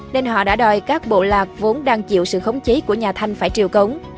nên họ đã đòi các bộ lạc vốn đang chịu sự khống chế của nhà thanh phải triều cống